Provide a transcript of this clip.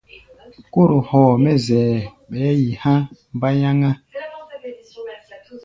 Kóro hɔɔ mɛ́ zɛʼɛ, ɓɛɛ́ yi há̧ mbáyáŋá.